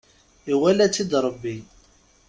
Iwala-tt-id Rebbi.